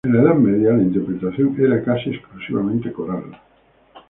En la Edad Media, la interpretación era casi exclusivamente coral.